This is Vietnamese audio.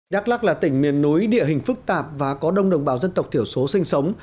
đắk lắc là tỉnh miền núi địa hình phức tạp và có đông đồng bào dân tộc thiểu số sinh sống